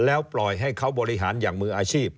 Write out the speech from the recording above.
แล้วปล่อยให้เขาบริหารอย่างมืออาชีพ